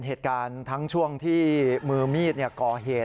จากไปอดีตแฟนสาวถูกอดีตแฟนสาวฯ